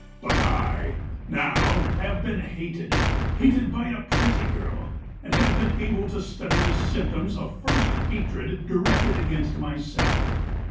"But I, now, have been hated, hated by a pretty girl, and have been able to study the symptoms of first hatred directed against myself.